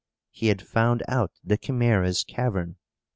He had found out the Chimæra's cavern.